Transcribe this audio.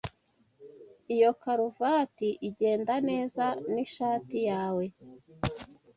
Iyo karuvati igenda neza nishati yawe.